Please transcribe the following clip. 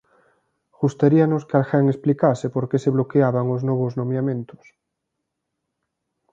Gustaríanos que alguén explicase por que se bloqueaban os novos nomeamentos.